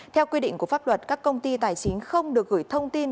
theo quy định của pháp luật các công ty tài chính không được gửi thông tin